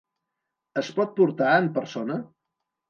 Es pot portar en persona?